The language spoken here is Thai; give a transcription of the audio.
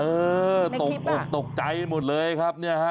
เออตกอกตกใจหมดเลยครับเนี่ยฮะ